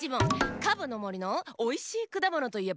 カブのもりのおいしいくだものといえば？